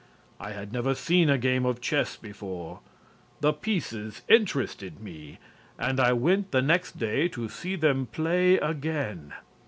I had never seen a game of chess before; the pieces interested me and I went the next day to see them play again.